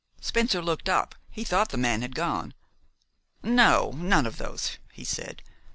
Spencer looked up. He thought the man had gone. "No, none of those," he said.